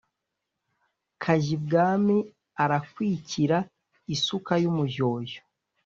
Kajyibwami arakwikira isuka y’umujyojyo